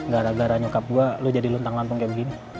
gara gara nyokap gue lo jadi luntang lampung kayak begini